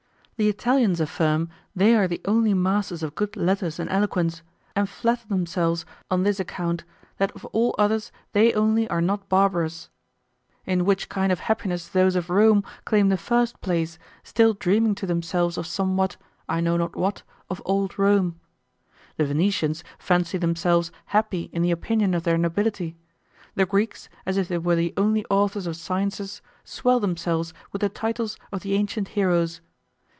The Italians affirm they are the only masters of good letters and eloquence, and flatter themselves on this account, that of all others they only are not barbarous. In which kind of happiness those of Rome claim the first place, still dreaming to themselves of somewhat, I know not what, of old Rome. The Venetians fancy themselves happy in the opinion of their nobility. The Greeks, as if they were the only authors of sciences, swell themselves with the titles of the ancient heroes.